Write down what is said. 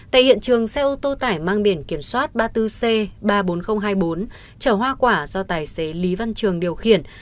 tại hiện trường xe ô tô tải mang biển kiểm soát ba mươi bốn c ba mươi bốn nghìn hai mươi bốn chở hoa quả do tài xế lý văn trường điều khiển